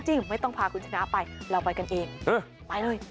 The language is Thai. ไม่ต้องพาคุณชนะไปเราไปกันเองไปเลย